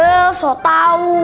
eh sok tau